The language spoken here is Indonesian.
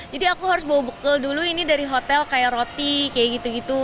jadi aku harus bawa bukel dulu ini dari hotel kayak roti kayak gitu gitu